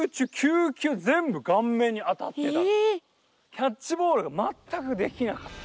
⁉キャッチボールがまったくできなかった。